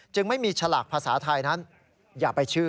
จึงไม่มีฉลากภาษาไทย